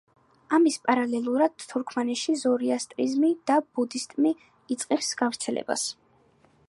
ამის პარალელურად თურქმენეთში ზოროასტრიზმი და ბუდიზმი იწყებს გავრცელებას.